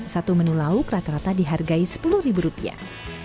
satu menu lauk rata rata dihargai sepuluh ribu rupiah